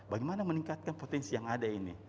bagaimana meningkatkan potensi yang ada ini